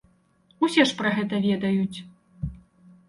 Усе ж пра гэта ведаюць.